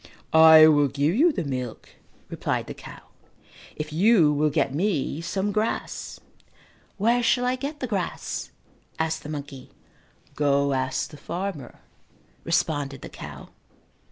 "I will give you the milk," replied the cow, "if you will get me some grass." "Where shall I get the grass?" asked the monkey. "Go ask the farmer," responded the cow.